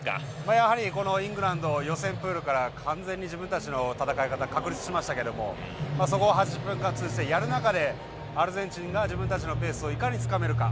やはり、イングランド予選プールから完全に自分たちの戦い方確立しましたけどもそこを８０分間通じてやる中でアルゼンチンが自分たちのペースをいかに、つかめるか。